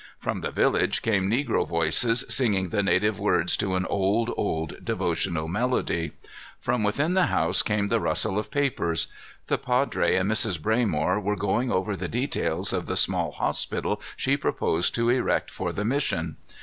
From the village came negro voices, singing the native words to an old, old devotional melody. From within the house came the rustle of papers. The padre and Mrs. Braymore were going over the details of the small hospital she proposed to erect for the mission.